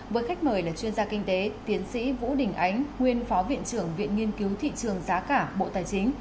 với khách mời là chuyên gia kinh tế tiến sĩ vũ đình ánh nguyên phó viện trưởng viện nghiên cứu thị trường giá cả bộ tài chính